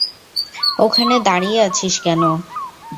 ওখানে দাঁড়িয়ে আছিস কেন?